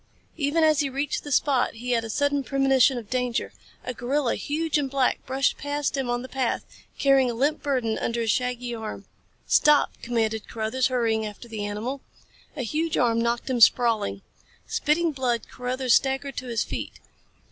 Even as he reached the spot he had a sudden premonition of danger. A gorilla, huge and black, brushed past him on the path, carrying a limp burden under his shaggy arm. "Stop!" commanded Carruthers, hurrying after the animal. A huge arm knocked him sprawling. Spitting blood Carruthers staggered to his feet.